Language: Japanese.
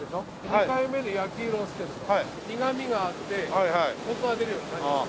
２回目で焼き色をつけると苦みがあってコクが出るようになります。